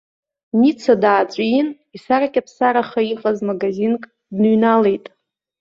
Ница дааҵәин, исаркьаԥсараха иҟаз магазинк дныҩналеит.